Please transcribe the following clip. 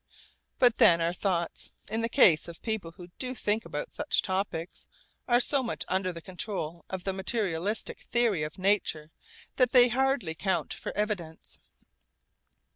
But then our thoughts in the case of people who do think about such topics are so much under the control of the materialistic theory of nature that they hardly count for evidence.